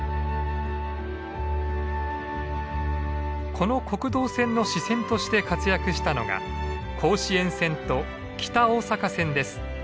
この国道線の支線として活躍したのが甲子園線と北大阪線です。